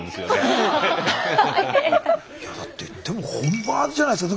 いやだって言っても本場じゃないですか。